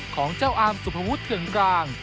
ของเจ้าอามสุภวุฒิเถื่อนกลาง